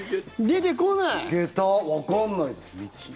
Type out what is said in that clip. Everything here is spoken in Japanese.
わかんないです。